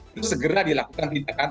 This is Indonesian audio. itu segera dilakukan tindakan